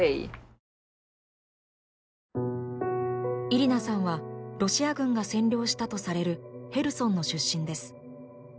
イリナさんはロシア軍が占領したとされるヘルソンの出身です。